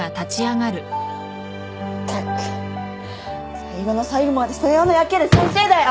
ったく最後の最後まで世話の焼ける先生だよ！